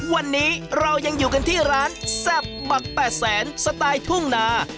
วันนี้เรายังอยู่กันที่ร้านแซ่บบัก๘แสนสไตล์ทุ่งนา